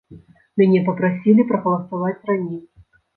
Мяне папрасілі прагаласаваць раней.